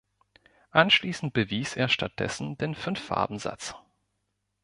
Anschließend bewies er stattdessen den Fünf-Farben-Satz.